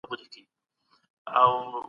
بيا مرۍ، مرۍ اوښـكي